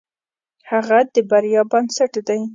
هڅه د بریا بنسټ دی.